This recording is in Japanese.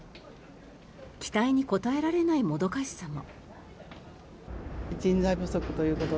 期待に応えられないもどかしさも。